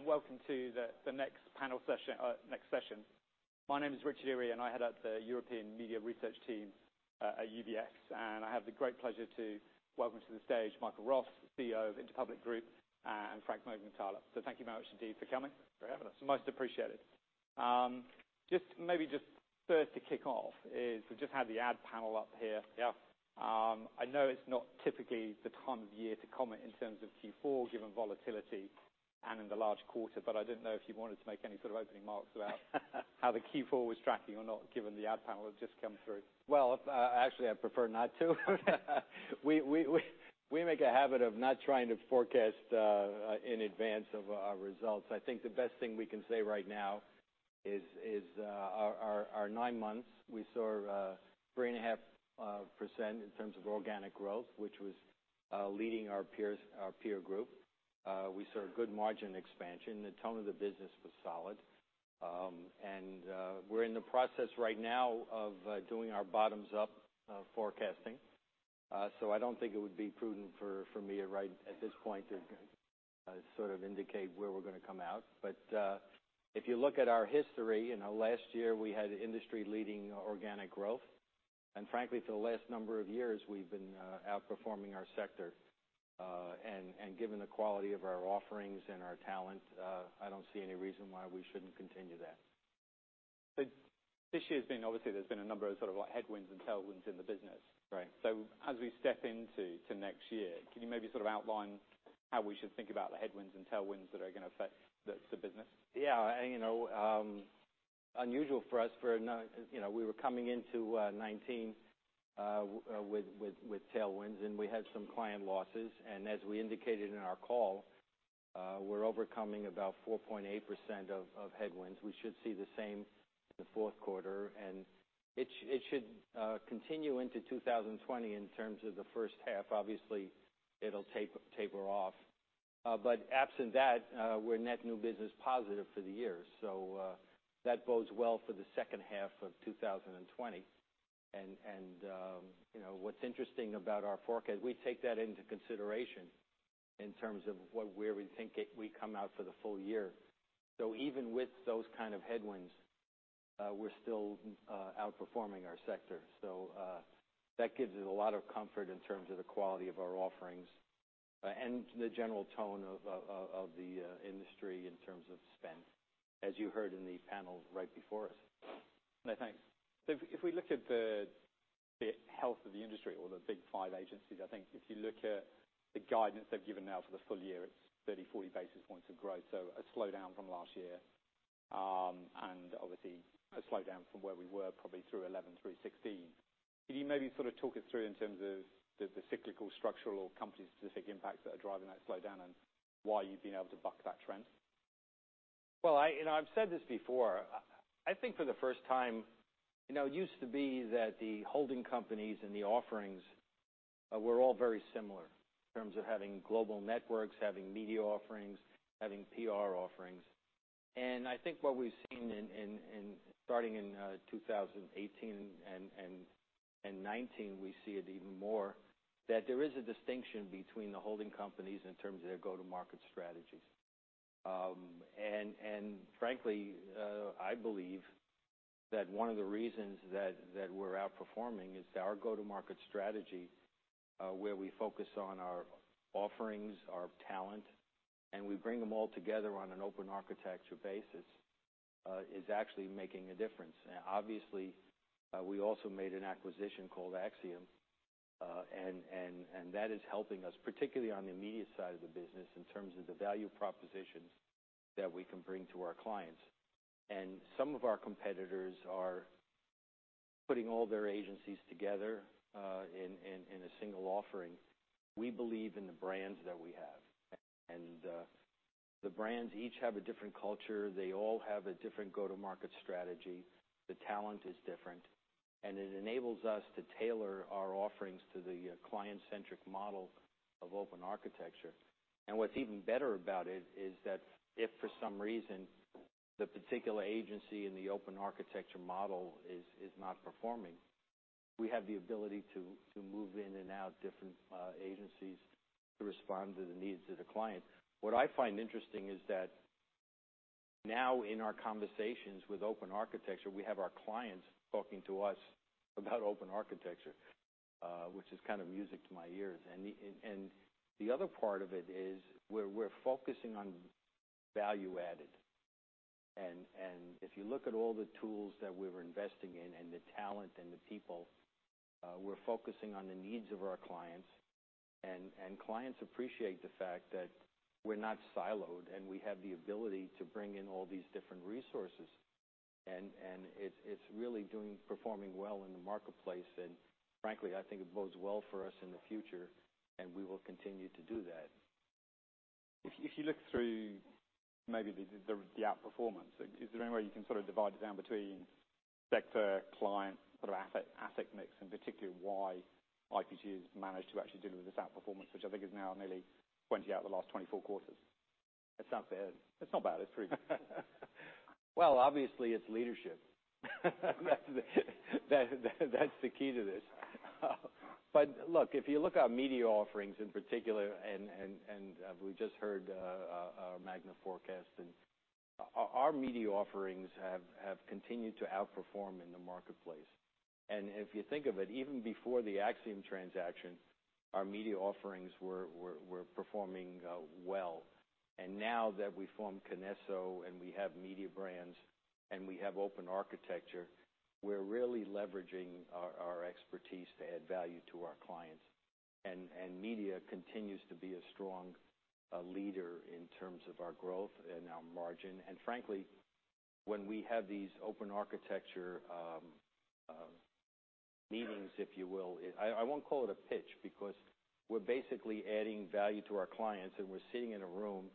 Welcome to the next panel session. My name is Richard Eary, and I head up the European Media Research Team at UBS. I have the great pleasure to welcome to the stage Michael Roth, CEO of Interpublic Group, and Frank Mergenthaler. Thank you very much indeed for coming. Very happy to. Most appreciated. Just maybe first to kick off is we just had the ad panel up here. Yeah. I know it's not typically the time of year to comment in terms of Q4 given volatility and in the large quarter, but I didn't know if you wanted to make any sort of opening remarks about how the Q4 was tracking or not given the ad panel had just come through. Actually, I prefer not to. We make a habit of not trying to forecast in advance of our results. I think the best thing we can say right now is our nine months we saw 3.5% in terms of organic growth, which was leading our peer group. We saw a good margin expansion. The tone of the business was solid. We're in the process right now of doing our bottoms-up forecasting. I don't think it would be prudent for me right at this point to sort of indicate where we're gonna come out. If you look at our history, you know, last year we had industry-leading organic growth. Frankly, for the last number of years we've been outperforming our sector. Given the quality of our offerings and our talent, I don't see any reason why we shouldn't continue that. This year's been, obviously, there's been a number of sort of headwinds and tailwinds in the business. Right. So as we step into next year, can you maybe sort of outline how we should think about the headwinds and tailwinds that are gonna affect the business? Yeah. And, you know, unusual for us for, you know, we were coming into 2019 with tailwinds, and we had some client losses. And as we indicated in our call, we're overcoming about 4.8% of headwinds. We should see the same in the fourth quarter. And it should continue into 2020 in terms of the first half. Obviously, it'll taper off. But absent that, we're net new business positive for the year. So, that bodes well for the second half of 2020. And, you know, what's interesting about our forecast, we take that into consideration in terms of what where we think we come out for the full year. So even with those kind of headwinds, we're still outperforming our sector. That gives us a lot of comfort in terms of the quality of our offerings, and the general tone of the industry in terms of spend, as you heard in the panel right before us. Okay. So if we look at the health of the industry or the big five agencies, I think if you look at the guidance they've given now for the full year, it's 30-40 basis points of growth. So a slowdown from last year, and obviously a slowdown from where we were probably through 2011 through 2016. Can you maybe sort of talk us through in terms of the cyclical structural or company-specific impacts that are driving that slowdown and why you've been able to buck that trend? I, you know, I've said this before. I think for the first time, you know, it used to be that the holding companies and the offerings were all very similar in terms of having global networks, having media offerings, having PR offerings. I think what we've seen, starting in 2018 and 2019, we see it even more, that there is a distinction between the holding companies in terms of their go-to-market strategies, and frankly, I believe that one of the reasons that we're outperforming is our go-to-market strategy, where we focus on our offerings, our talent, and we bring them all together on an open architecture basis, is actually making a difference. Obviously, we also made an acquisition called Acxiom, and that is helping us, particularly on the media side of the business in terms of the value propositions that we can bring to our clients. Some of our competitors are putting all their agencies together, in a single offering. We believe in the brands that we have. The brands each have a different culture. They all have a different go-to-market strategy. The talent is different. It enables us to tailor our offerings to the client-centric model of open architecture. What's even better about it is that if for some reason the particular agency in the open architecture model is not performing, we have the ability to move in and out different agencies to respond to the needs of the client. What I find interesting is that now in our conversations with Open Architecture, we have our clients talking to us about Open Architecture, which is kind of music to my ears. And the other part of it is we're focusing on value added. And if you look at all the tools that we were investing in and the talent and the people, we're focusing on the needs of our clients. And clients appreciate the fact that we're not siloed and we have the ability to bring in all these different resources. And it's really performing well in the marketplace. And frankly, I think it bodes well for us in the future, and we will continue to do that. If you look through maybe the outperformance, is there any way you can sort of divide it down between sector, client, sort of asset mix, and particularly why IPG has managed to actually deal with this outperformance, which I think is now nearly 20 out of the last 24 quarters? It's not bad. It's not bad. It's pretty good. Obviously it's leadership. That's, that's, that's the key to this. But look, if you look at our media offerings in particular, and we just heard our MAGNA forecast, and our media offerings have continued to outperform in the marketplace. And if you think of it, even before the Acxiom transaction, our media offerings were performing well. And now that we formed Kinesso and we have Mediabrands and we have Open Architecture, we're really leveraging our expertise to add value to our clients. And media continues to be a strong leader in terms of our growth and our margin. And frankly, when we have these Open Architecture meetings, if you will, I won't call it a pitch because we're basically adding value to our clients and we're sitting in a room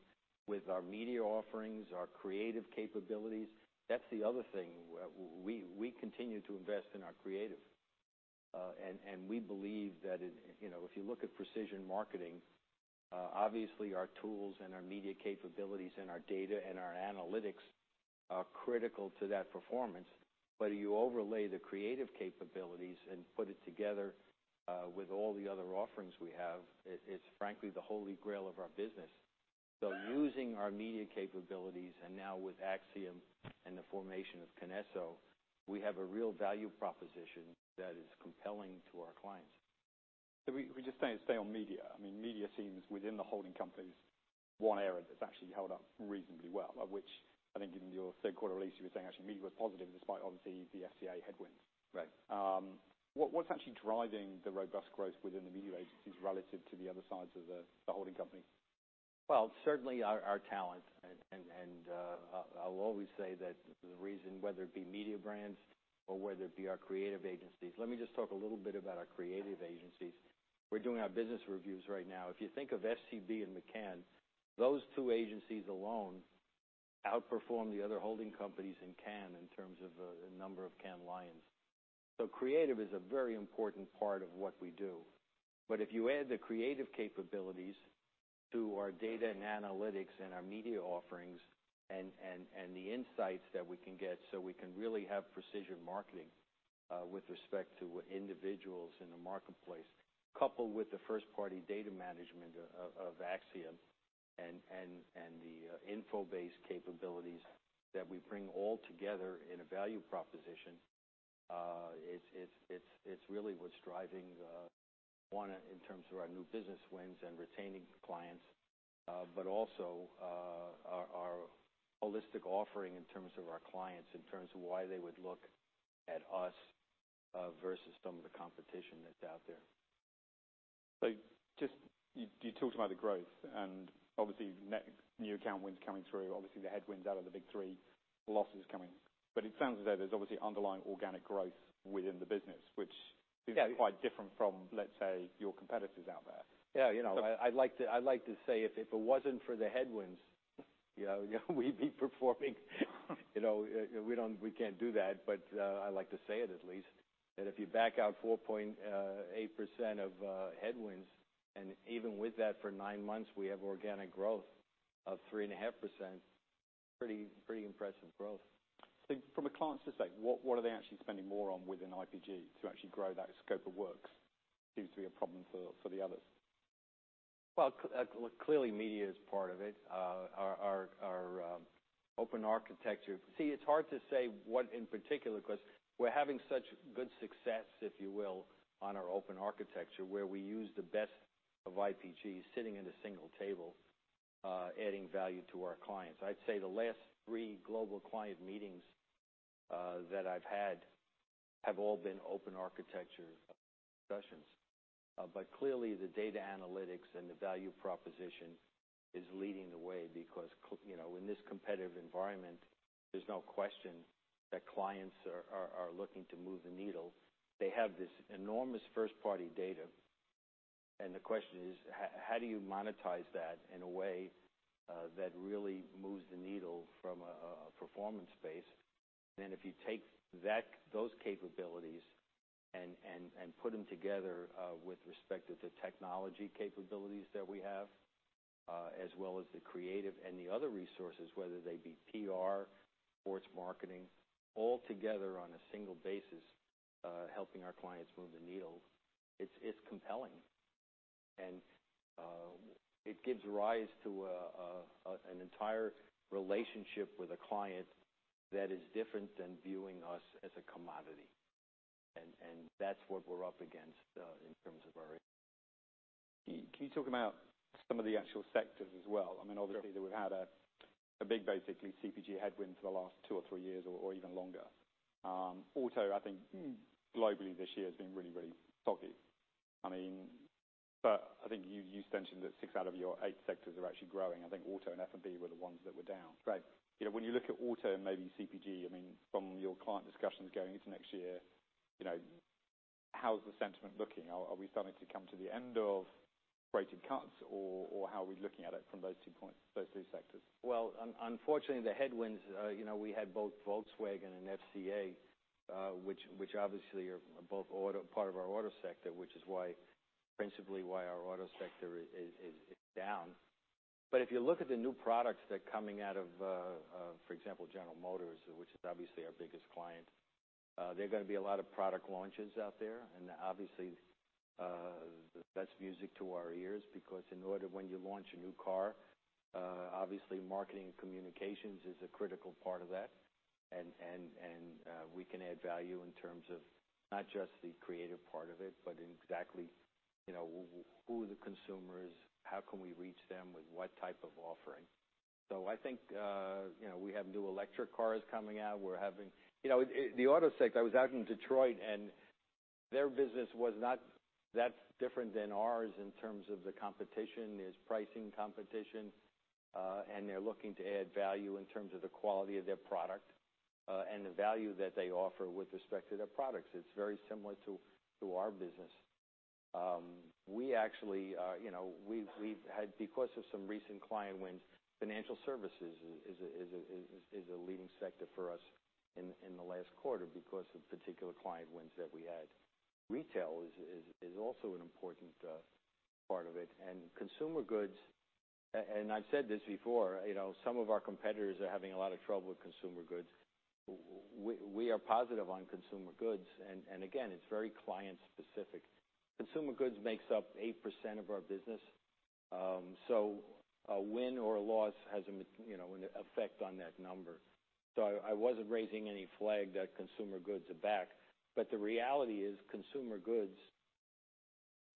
with our media offerings, our creative capabilities. That's the other thing. We continue to invest in our creative, and we believe that it, you know, if you look at precision marketing, obviously our tools and our media capabilities and our data and our analytics are critical to that performance. But you overlay the creative capabilities and put it together, with all the other offerings we have, it's frankly the holy grail of our business. So using our media capabilities and now with Acxiom and the formation of Kinesso, we have a real value proposition that is compelling to our clients. So we just say, stay on media. I mean, media seems, within the holding companies, one area that's actually held up reasonably well, which I think in your third quarter release you were saying actually media was positive despite obviously the FCA headwinds. Right. What's actually driving the robust growth within the media agencies relative to the other sides of the holding company? Certainly our talent. And I'll always say that the reason whether it be media brands or whether it be our creative agencies, let me just talk a little bit about our creative agencies. We're doing our business reviews right now. If you think of FCB and McCann, those two agencies alone outperform the other holding companies in Cannes in terms of the number of Cannes Lions. So creative is a very important part of what we do. But if you add the creative capabilities to our data and analytics and our media offerings and the insights that we can get so we can really have precision marketing, with respect to individuals in the marketplace, coupled with the first-party data management, of Acxiom and the InfoBase capabilities that we bring all together in a value proposition, it's really what's driving, one in terms of our new business wins and retaining clients, but also, our holistic offering in terms of our clients, in terms of why they would look at us, versus some of the competition that's out there. So just you, you talked about the growth and obviously net new account wins coming through, obviously the headwinds out of the big three losses coming. But it sounds as though there's obviously underlying organic growth within the business, which seems quite different from, let's say, your competitors out there. Yeah. You know, I like to say if it wasn't for the headwinds, you know, we'd be performing. You know, we don't, we can't do that. But I like to say it at least that if you back out 4.8% of headwinds and even with that for nine months we have organic growth of 3.5%, pretty impressive growth. So from a client's perspective, what are they actually spending more on within IPG to actually grow that scope of works? Seems to be a problem for the others. Well, clearly media is part of it. Our open architecture. See, it's hard to say what in particular 'cause we're having such good success, if you will, on our Open Architecture where we use the best of IPG sitting at a single table, adding value to our clients. I'd say the last three global client meetings that I've had have all been Open Architecture sessions. But clearly the data analytics and the value proposition is leading the way because, you know, in this competitive environment, there's no question that clients are looking to move the needle. They have this enormous first-party data. And the question is, how do you monetize that in a way that really moves the needle from a performance space? And then if you take that, those capabilities and put them together, with respect to the technology capabilities that we have, as well as the creative and the other resources, whether they be PR, sports marketing, all together on a single basis, helping our clients move the needle, it's compelling. And it gives rise to an entire relationship with a client that is different than viewing us as a commodity. And that's what we're up against, in terms of our. Can you talk about some of the actual sectors as well? I mean, obviously that we've had a big basically CPG headwind for the last two or three years or even longer. Auto, I think globally this year has been really, really soggy. I mean, but I think you mentioned that six out of your eight sectors are actually growing. I think auto and F&B were the ones that were down. Right. You know, when you look at auto and maybe CPG, I mean, from your client discussions going into next year, you know, how's the sentiment looking? Are we starting to come to the end of rate cuts or how are we looking at it from those two points, those two sectors? Unfortunately, the headwinds, you know, we had both Volkswagen and FCA, which obviously are both part of our auto sector, which is principally why our auto sector is down. But if you look at the new products that are coming out of, for example, General Motors, which is obviously our biggest client, there are gonna be a lot of product launches out there. And obviously, that's music to our ears because in order when you launch a new car, obviously marketing and communications is a critical part of that. And we can add value in terms of not just the creative part of it, but exactly, you know, who are the consumers, how can we reach them with what type of offering? So I think, you know, we have new electric cars coming out. We're having, you know, the auto sector. I was out in Detroit and their business was not that different than ours in terms of the competition. There's pricing competition, and they're looking to add value in terms of the quality of their product, and the value that they offer with respect to their products. It's very similar to our business. We actually, you know, we've had because of some recent client wins, financial services is a leading sector for us in the last quarter because of particular client wins that we had. Retail is also an important part of it. And consumer goods, and I've said this before, you know, some of our competitors are having a lot of trouble with consumer goods. We are positive on consumer goods. And again, it's very client-specific. Consumer goods makes up 8% of our business. So a win or a loss has a, you know, an effect on that number. So I wasn't raising any flag that consumer goods are back. But the reality is consumer goods,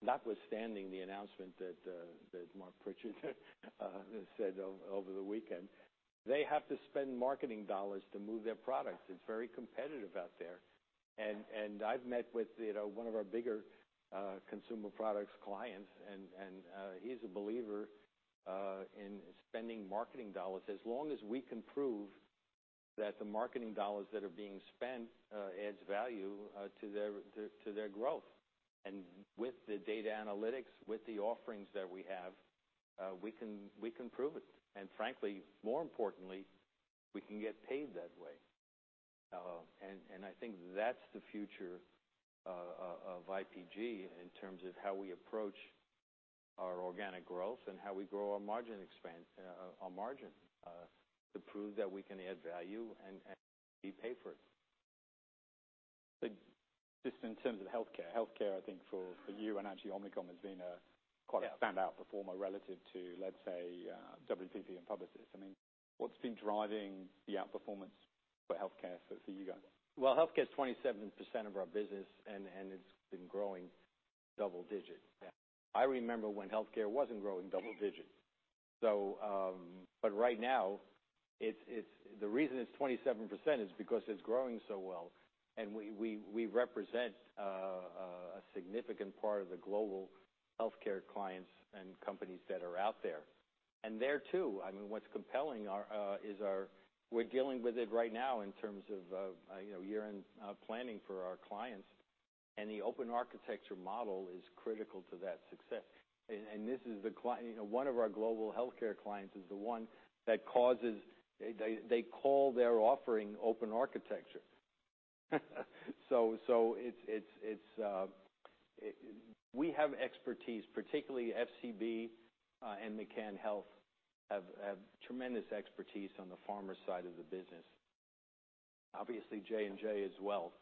notwithstanding the announcement that Marc Pritchard said over the weekend, they have to spend marketing dollars to move their products. It's very competitive out there. And I've met with, you know, one of our bigger consumer products clients and he's a believer in spending marketing dollars as long as we can prove that the marketing dollars that are being spent adds value to their growth. And with the data analytics, with the offerings that we have, we can prove it. And frankly, more importantly, we can get paid that way. I think that's the future of IPG in terms of how we approach our organic growth and how we grow our margin expansion, our margin, to prove that we can add value and be paid for it. So just in terms of healthcare, I think for you and actually Omnicom has been a quite a standout performer relative to, let's say, WPP and Publicis. I mean, what's been driving the outperformance for healthcare for you guys? Healthcare's 27% of our business and it's been growing double-digit. Yeah. I remember when healthcare wasn't growing double-digit. But right now it's the reason it's 27% is because it's growing so well. And we represent a significant part of the global healthcare clients and companies that are out there. And there too, I mean, what's compelling is how we're dealing with it right now in terms of, you know, year-end planning for our clients. And the Open Architecture model is critical to that success. And this is the clincher, you know, one of our global healthcare clients is the one that, as they call their offering Open Architecture. So we have expertise, particularly FCB and McCann Health have tremendous expertise on the pharma side of the business. Obviously J&J as well,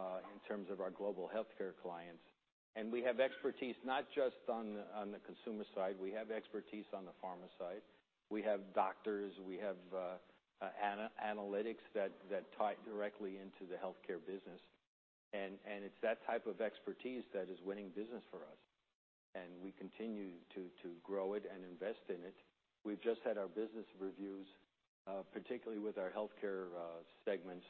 in terms of our global healthcare clients, and we have expertise not just on the consumer side. We have expertise on the pharma side. We have doctors. We have analytics that tie directly into the healthcare business, and it's that type of expertise that is winning business for us, and we continue to grow it and invest in it. We've just had our business reviews, particularly with our healthcare segments,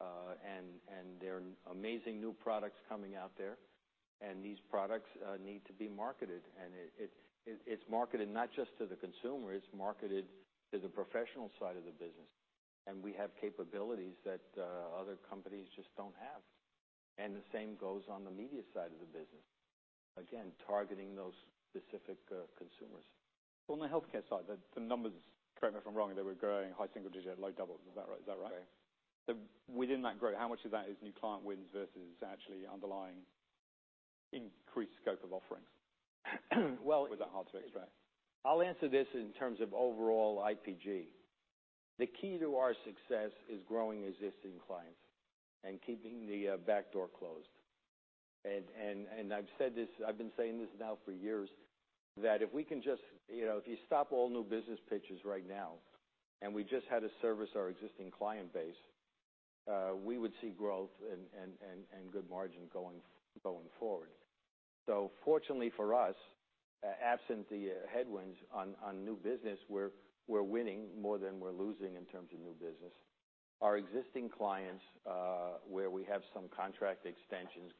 and there are amazing new products coming out there, and these products need to be marketed, and it's marketed not just to the consumer. It's marketed to the professional side of the business, and we have capabilities that other companies just don't have, and the same goes on the media side of the business, again, targeting those specific consumers. On the healthcare side, the numbers, correct me if I'm wrong, they were growing high single digit, low doubles. Is that right? Is that right? Right. So within that growth, how much of that is new client wins versus actually underlying increased scope of offerings? Well. Was that hard to extract? I'll answer this in terms of overall IPG. The key to our success is growing existing clients and keeping the backdoor closed. And I've said this, I've been saying this now for years, that if we can just, you know, if you stop all new business pitches right now and we just had to service our existing client base, we would see growth and good margin going forward. So fortunately for us, absent the headwinds on new business, we're winning more than we're losing in terms of new business. Our existing clients, where we have some contract extensions,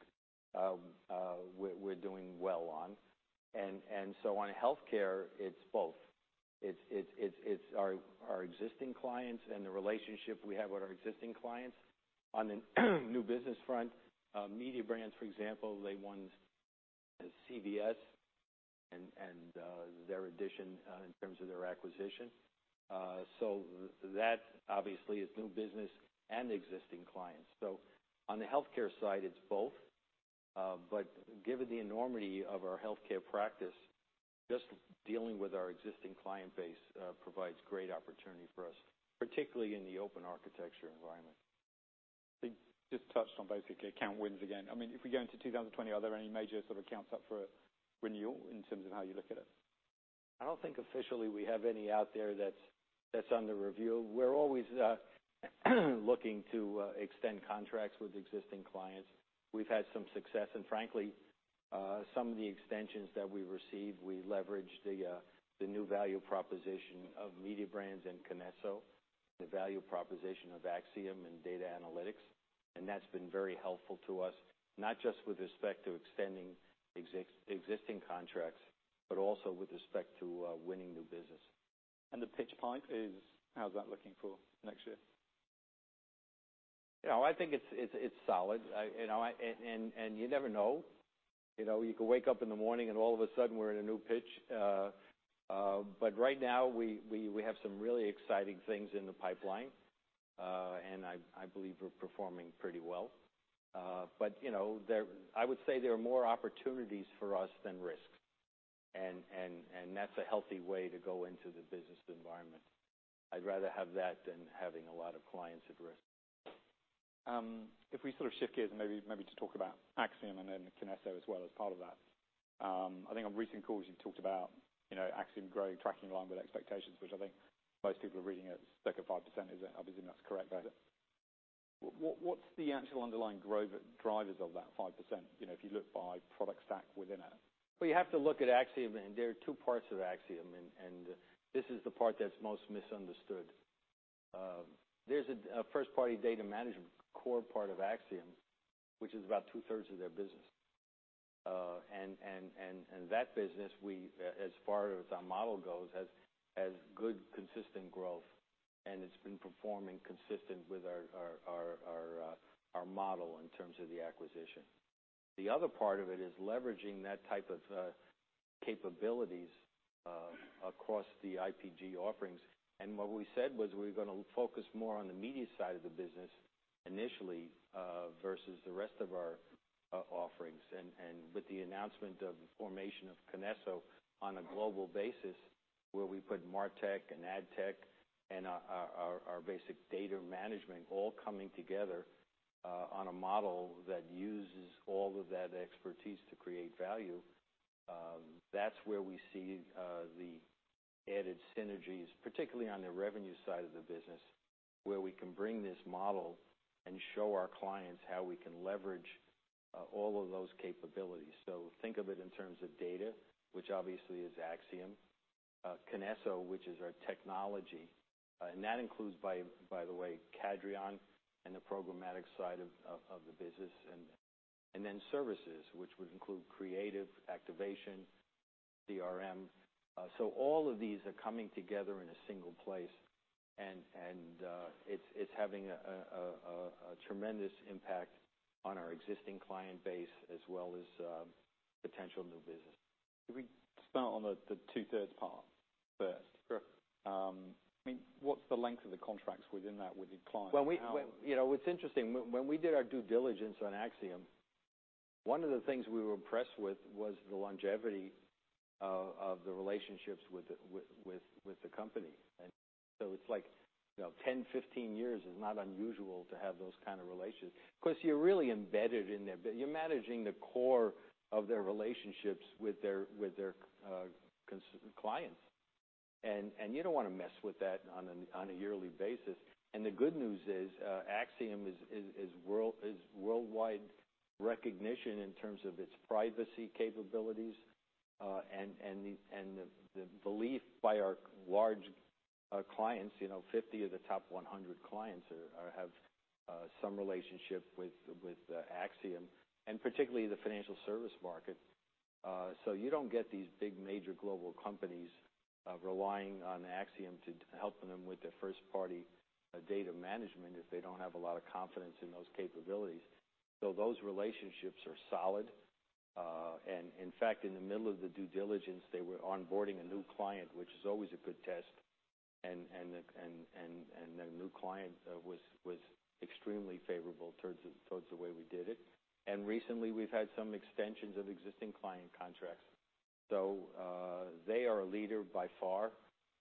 we're doing well on. And so on healthcare, it's both. It's our existing clients and the relationship we have with our existing clients on the new business front. Mediabrands, for example, they won CVS and their addition, in terms of their acquisition. So that obviously is new business and existing clients. So on the healthcare side, it's both. But given the enormity of our healthcare practice, just dealing with our existing client base, provides great opportunity for us, particularly in the Open Architecture environment. So just touched on basically account wins again. I mean, if we go into 2020, are there any major sort of accounts up for renewal in terms of how you look at it? I don't think officially we have any out there that's under review. We're always looking to extend contracts with existing clients. We've had some success. Frankly, some of the extensions that we received, we leveraged the new value proposition of Mediabrands and Kinesso, the value proposition of Acxiom and data analytics. That's been very helpful to us, not just with respect to extending existing contracts, but also with respect to winning new business. The pitch pipe is, how's that looking for next year? You know, I think it's solid, you know, and you never know. You know, you can wake up in the morning and all of a sudden we're in a new pitch, but right now we have some really exciting things in the pipeline, and I believe we're performing pretty well, but you know, I would say there are more opportunities for us than risks, and that's a healthy way to go into the business environment. I'd rather have that than having a lot of clients at risk. If we sort of shift gears and maybe, maybe just talk about Acxiom and then Kinesso as well as part of that. I think on recent calls you've talked about, you know, Acxiom growing, tracking along with expectations, which I think most people are reading as circa 5%. Is it obviously not correct, but what, what's the actual underlying growth drivers of that 5%? You know, if you look by product stack within it. You have to look at Acxiom and there are two parts of Acxiom. And this is the part that's most misunderstood. There's a first-party data management core part of Acxiom, which is about two-thirds of their business. And that business, as far as our model goes, has good consistent growth. And it's been performing consistent with our model in terms of the acquisition. The other part of it is leveraging that type of capabilities across the IPG offerings. And what we said was we're gonna focus more on the media side of the business initially, versus the rest of our offerings. And with the announcement of the formation of Kinesso on a global basis, where we put MarTech and AdTech and our basic data management all coming together, on a model that uses all of that expertise to create value, that's where we see the added synergies, particularly on the revenue side of the business, where we can bring this model and show our clients how we can leverage all of those capabilities. So think of it in terms of data, which obviously is Acxiom, Kinesso, which is our technology. And that includes, by the way, Cadreon and the programmatic side of the business. And then services, which would include creative activation, CRM. So all of these are coming together in a single place. It's having a tremendous impact on our existing client base as well as potential new business. If we spell out the two-thirds part first. Sure. I mean, what's the length of the contracts within that with the client? We, you know, what's interesting, when we did our due diligence on Acxiom, one of the things we were impressed with was the longevity of the relationships with the company. And so it's like, you know, 10-15 years is not unusual to have those kind of relations. Of course, you're really embedded in their business. You're managing the core of their relationships with their consumer clients. And you don't wanna mess with that on a yearly basis. And the good news is, Acxiom is worldwide recognition in terms of its privacy capabilities, and the belief by our large clients, you know, 50 of the top 100 clients have some relationship with Acxiom, and particularly the financial services market. So you don't get these big major global companies relying on Acxiom to help them with their first-party data management if they don't have a lot of confidence in those capabilities. So those relationships are solid. In fact, in the middle of the due diligence, they were onboarding a new client, which is always a good test. And the new client was extremely favorable towards the way we did it. And recently we've had some extensions of existing client contracts. So they are a leader by far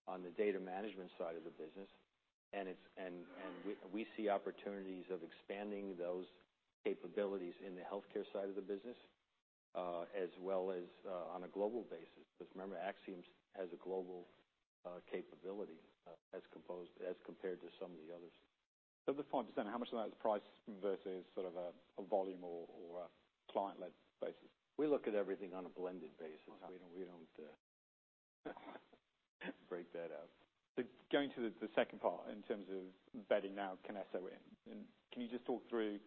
on the data management side of the business. And we see opportunities of expanding those capabilities in the healthcare side of the business, as well as on a global basis. Because remember, Acxiom has a global capability as compared to some of the others. So the 5%, how much of that is price versus sort of a volume or a client-led basis? We look at everything on a blended basis. Okay. We don't break that out. So going to the second part in terms of embedding now Kinesso, and can you just talk through,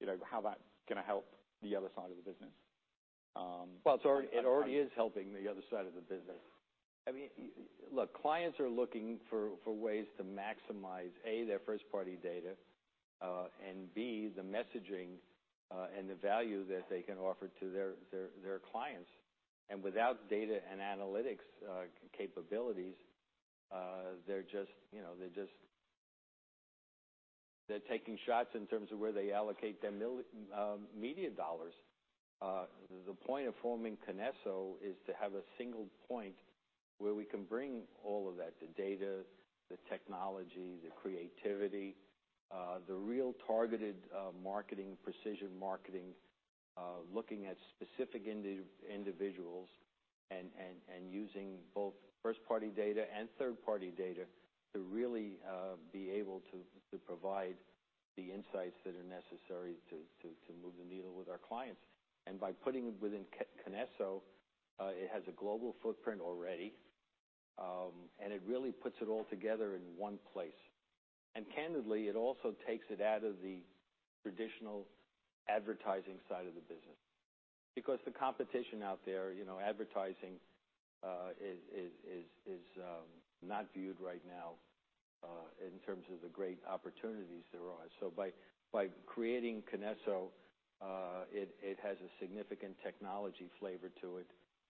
you know, how that's gonna help the other side of the business? It's already helping the other side of the business. I mean, look, clients are looking for ways to maximize A, their first-party data, and B, the messaging and the value that they can offer to their clients. Without data and analytics capabilities, they're just, you know, taking shots in terms of where they allocate their media dollars. The point of forming Kinesso is to have a single point where we can bring all of that, the data, the technology, the creativity, the real targeted marketing, precision marketing, looking at specific individuals and using both first-party data and third-party data to really be able to provide the insights that are necessary to move the needle with our clients. By putting it within Kinesso, it has a global footprint already. And it really puts it all together in one place. And candidly, it also takes it out of the traditional advertising side of the business. Because the competition out there, you know, advertising, is not viewed right now, in terms of the great opportunities there are. So by creating Kinesso, it has a significant technology flavor to it,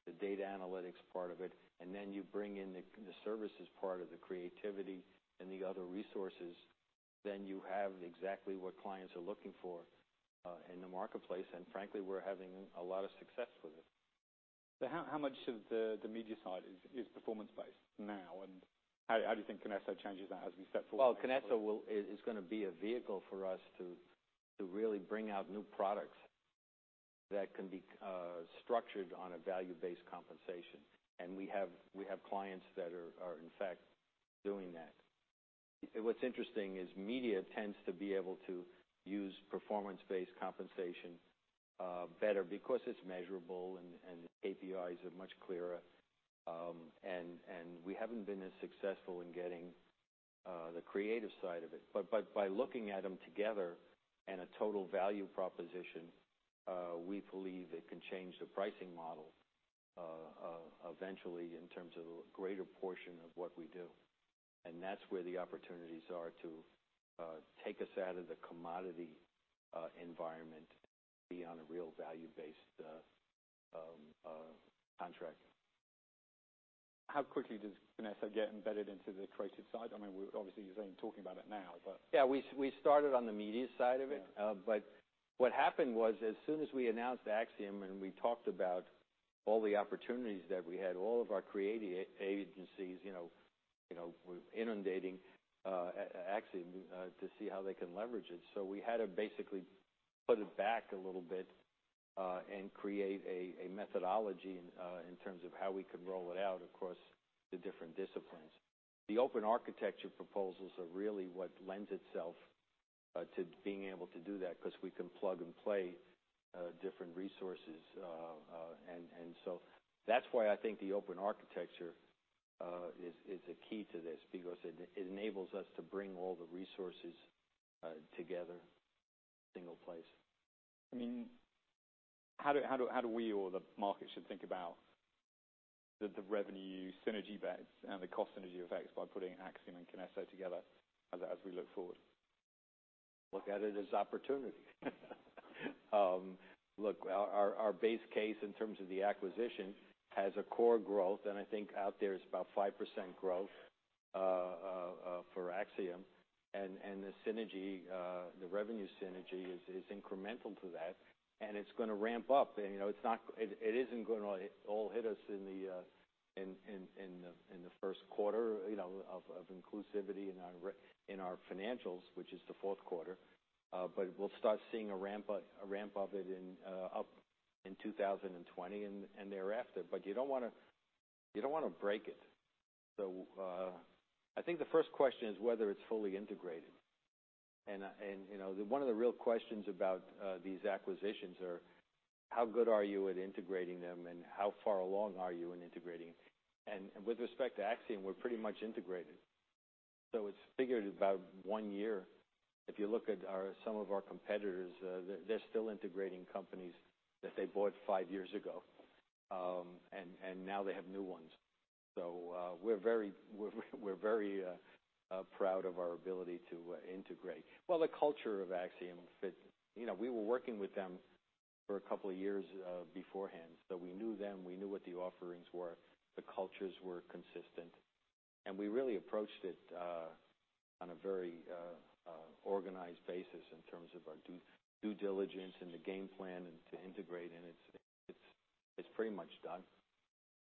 the data analytics part of it. And then you bring in the services part of the creativity and the other resources, then you have exactly what clients are looking for, in the marketplace. And frankly, we're having a lot of success with it. So how much of the media side is performance-based now? And how do you think Kinesso changes that as we step forward? Well, Kinesso is gonna be a vehicle for us to really bring out new products that can be structured on a value-based compensation. And we have clients that are in fact doing that. What's interesting is media tends to be able to use performance-based compensation better because it's measurable and the KPIs are much clearer. And we haven't been as successful in getting the creative side of it. But by looking at them together and a total value proposition, we believe it can change the pricing model eventually in terms of a greater portion of what we do. And that's where the opportunities are to take us out of the commodity environment and be on a real value-based contract. How quickly does Kinesso get embedded into the creative side? I mean, we're obviously, you're saying talking about it now, but. Yeah, we started on the media side of it. Yeah. But what happened was as soon as we announced Acxiom and we talked about all the opportunities that we had, all of our creative agencies, you know, were inundating Acxiom to see how they can leverage it. So we had to basically put it back a little bit and create a methodology in terms of how we could roll it out across the different disciplines. The open architecture proposals are really what lends itself to being able to do that because we can plug and play different resources. And so that's why I think the open architecture is a key to this because it enables us to bring all the resources together in a single place. I mean, how do we or the market should think about the revenue synergy bets and the cost synergy effects by putting Acxiom and Kinesso together as we look forward? Look at it as opportunity. Look, our base case in terms of the acquisition has a core growth. And I think out there is about 5% growth, for Acxiom. And the synergy, the revenue synergy is incremental to that. And it's gonna ramp up. And, you know, it's not, it isn't gonna all hit us in the first quarter, you know, of inclusion in our financials, which is the fourth quarter. But we'll start seeing a ramp up, a ramp of it up in 2020 and thereafter. But you don't wanna break it. So, I think the first question is whether it's fully integrated. You know, one of the real questions about these acquisitions is how good are you at integrating them and how far along are you in integrating? With respect to Acxiom, we're pretty much integrated. So it's figured about one year. If you look at some of our competitors, they're still integrating companies that they bought five years ago, and now they have new ones. So, we're very proud of our ability to integrate. The culture of Acxiom, you know, we were working with them for a couple of years beforehand. So we knew them, we knew what the offerings were, the cultures were consistent. We really approached it on a very organized basis in terms of our due diligence and the game plan to integrate. It's pretty much done.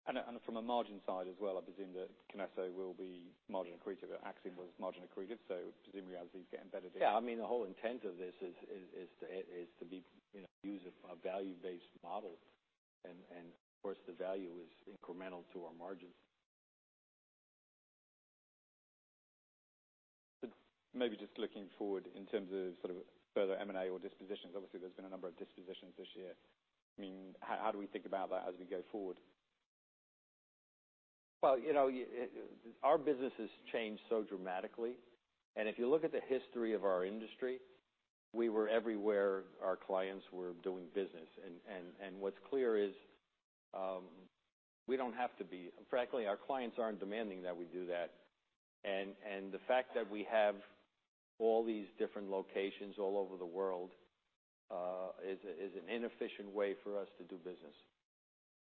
From a margin side as well, I presume that Kinesso will be margin accretive. Acxiom was margin accretive. So presumably as these get embedded in. Yeah, I mean, the whole intent of this is to be, you know, use a value-based model. And of course the value is incremental to our margins. So maybe just looking forward in terms of sort of further M&A or dispositions, obviously there's been a number of dispositions this year. I mean, how do we think about that as we go forward? You know, our business has changed so dramatically. And if you look at the history of our industry, we were everywhere our clients were doing business. And what's clear is, we don't have to be. Frankly, our clients aren't demanding that we do that. And the fact that we have all these different locations all over the world is an inefficient way for us to do business.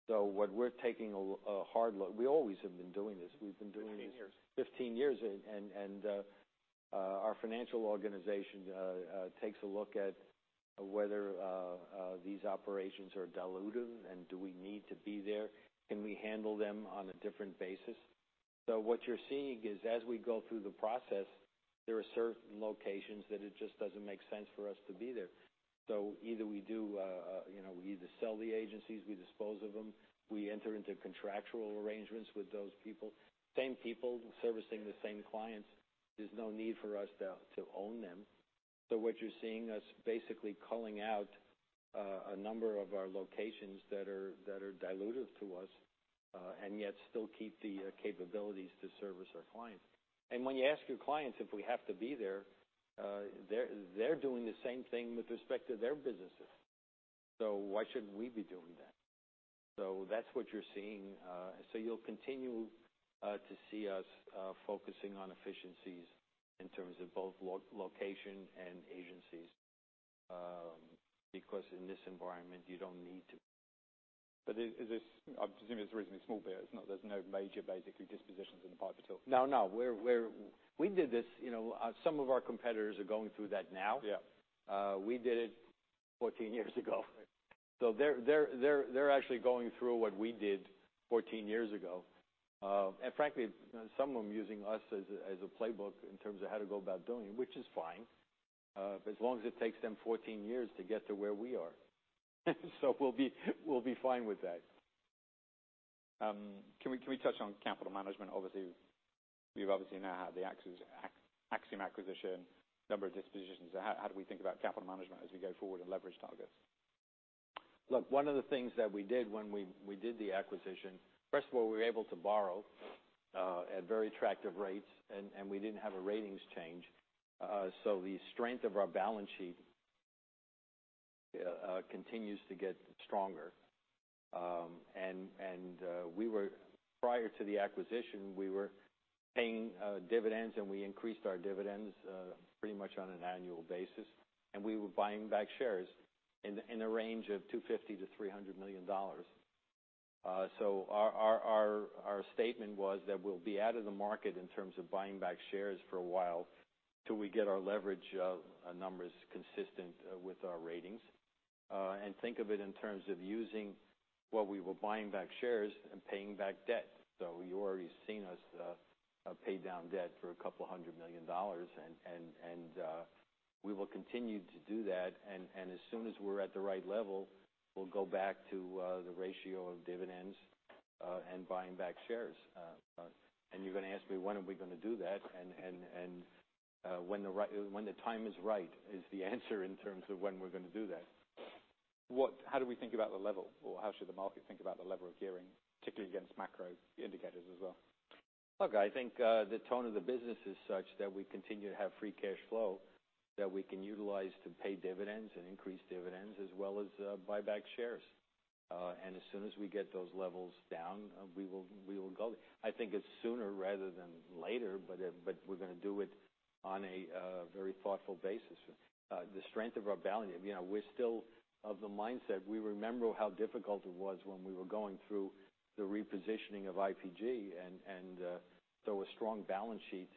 So what we're taking a hard look, we always have been doing this. We've been doing this. 15 years. 15 years. Our financial organization takes a look at whether these operations are dilutive and do we need to be there, can we handle them on a different basis. What you're seeing is as we go through the process, there are certain locations that it just doesn't make sense for us to be there. Either we do, you know, we either sell the agencies, we dispose of them, we enter into contractual arrangements with those people, same people servicing the same clients. There's no need for us to own them. What you're seeing us basically culling out a number of our locations that are dilutive to us, and yet still keep the capabilities to service our clients. When you ask your clients if we have to be there, they're doing the same thing with respect to their businesses. So why shouldn't we be doing that? So that's what you're seeing. So you'll continue to see us focusing on efficiencies in terms of both location and agencies because in this environment you don't need to. But is this? I presume it's reasonably small, but there's no major basically dispositions in the pipe at all. No, no. We did this, you know. Some of our competitors are going through that now. Yeah. We did it 14 years ago, so they're actually going through what we did 14 years ago and frankly, some of them using us as a playbook in terms of how to go about doing it, which is fine, as long as it takes them 14 years to get to where we are, so we'll be fine with that. Can we touch on capital management? Obviously, we've now had the Acxiom acquisition, number of dispositions. So how do we think about capital management as we go forward and leverage targets? Look, one of the things that we did when we did the acquisition. First of all, we were able to borrow at very attractive rates, and we didn't have a ratings change, so the strength of our balance sheet continues to get stronger, and prior to the acquisition we were paying dividends and we increased our dividends pretty much on an annual basis. We were buying back shares in the range of $250 million-$300 million, so our statement was that we'll be out of the market in terms of buying back shares for a while till we get our leverage numbers consistent with our ratings, and think of it in terms of using what we were buying back shares and paying back debt. So you've already seen us pay down debt for $200 million. And we will continue to do that. And as soon as we're at the right level, we'll go back to the ratio of dividends and buying back shares. And you're gonna ask me when are we gonna do that. And when the time is right is the answer in terms of when we're gonna do that. What, how do we think about the level or how should the market think about the level of gearing, particularly against macro indicators as well? Look, I think, the tone of the business is such that we continue to have free cash flow that we can utilize to pay dividends and increase dividends as well as buy back shares, and as soon as we get those levels down, we will, we will go. I think it's sooner rather than later, but, but we're gonna do it on a very thoughtful basis. The strength of our balance, you know, we're still of the mindset, we remember how difficult it was when we were going through the repositioning of IPG. And, and, so a strong balance sheet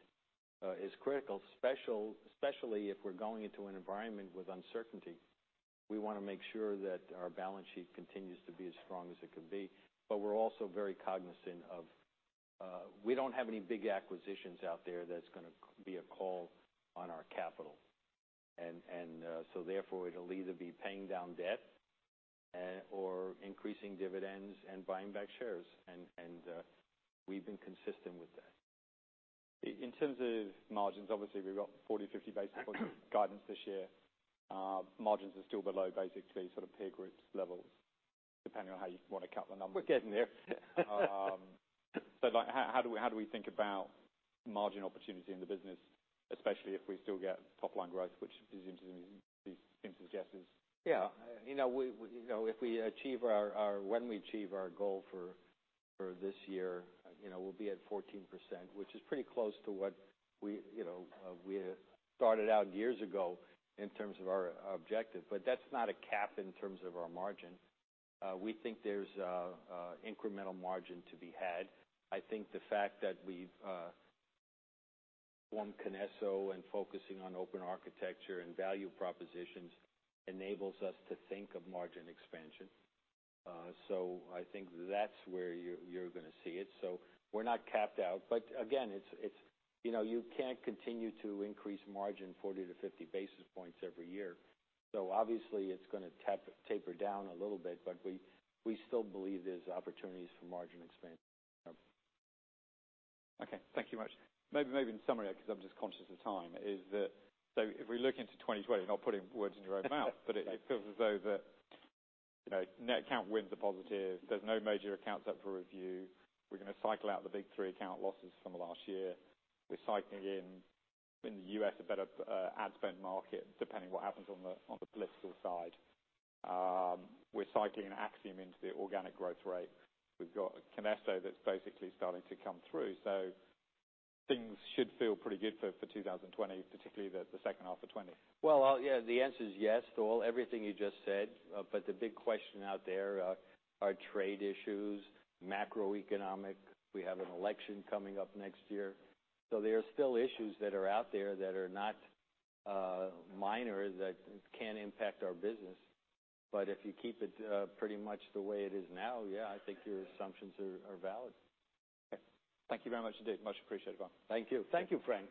is critical, especially, especially if we're going into an environment with uncertainty. We wanna make sure that our balance sheet continues to be as strong as it could be. But we're also very cognizant of we don't have any big acquisitions out there that's gonna be a call on our capital. And so therefore it'll either be paying down debt and/or increasing dividends and buying back shares. And we've been consistent with that. In terms of margins, obviously we've got 40-50 basis points of guidance this year. Margins are still below basically sort of peer groups levels depending on how you wanna cut the number. We're getting there. Like, how do we think about margin opportunity in the business, especially if we still get top line growth, which presumably seems to suggest is? Yeah. You know, if we achieve our goal for this year, you know, we'll be at 14%, which is pretty close to what we started out years ago in terms of our objective. But that's not a cap in terms of our margin. We think there's incremental margin to be had. I think the fact that we've formed Kinesso and focusing on Open Architecture and value propositions enables us to think of margin expansion. So I think that's where you're gonna see it. So we're not capped out. But again, it's you know you can't continue to increase margin 40-50 basis points every year. So obviously it's gonna taper down a little bit, but we still believe there's opportunities for margin expansion. Okay. Thank you much. Maybe, maybe in summary, because I'm just conscious of time, is that so if we look into 2020, not putting words in your own mouth, but it feels as though that, you know, net account wins are positive. There's no major accounts up for review. We're gonna cycle out the big three account losses from last year. We're cycling in, in the U.S. a better, ad spend market depending what happens on the, on the political side. We're cycling Acxiom into the organic growth rate. We've got Kinesso that's basically starting to come through. So things should feel pretty good for, for 2020, particularly the, the second half of 2020. Well, yeah, the answer is yes to all everything you just said. But the big question out there are trade issues, macroeconomic. We have an election coming up next year. So there are still issues that are out there that are not minor that can impact our business. But if you keep it pretty much the way it is now, yeah, I think your assumptions are valid. Okay. Thank you very much indeed. Much appreciated, both. Thank you. Thank you, Frank.